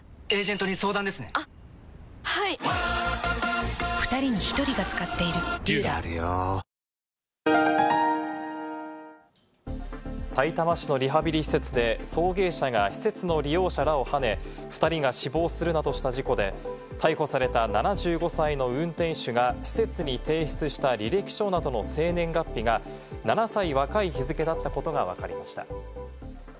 前の日の主要株価指数が揃って上昇した流れを受け、さいたま市のリハビリ施設で、送迎車が施設の利用者らをはね、２人が死亡するなどした事故で、逮捕された７５歳の運転手が、施設に提出した履歴書などの生年月日が７歳若い日付だったことがわかりました。